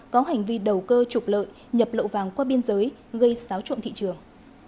có hành vi đầu cơ trục lợi nhập lậu vàng qua biên giới gây xáo trộn thị trường